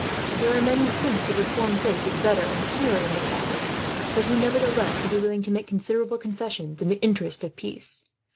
There are men who think that the Reformed faith is better and purer than the Catholic, but who nevertheless would be willing to make considerable concessions, in the interest of peace.